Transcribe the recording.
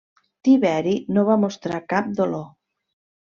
Tiberi no va mostrar cap dolor.